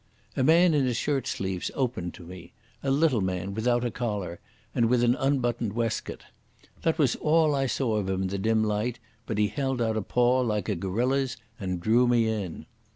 A man in his shirt sleeves opened to me, a little man, without a collar, and with an unbuttoned waistcoat. That was all I saw of him in the dim light, but he held out a paw like a gorilla's and drew me in.